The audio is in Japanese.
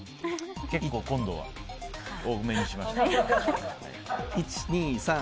結構、今度は多めにしました。